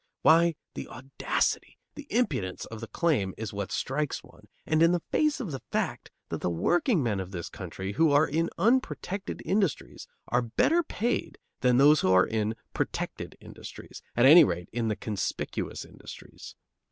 Why, the audacity, the impudence, of the claim is what strikes one; and in face of the fact that the workingmen of this country who are in unprotected industries are better paid than those who are in "protected" industries; at any rate, in the conspicuous industries!